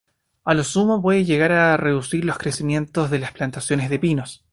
A lo sumo pueden llegar a reducir los crecimientos de las plantaciones de pinos.